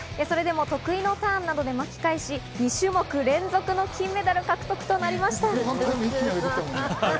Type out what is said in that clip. それでも得意のターンなどで巻き返し、２種目連続の金メダル獲得となりました。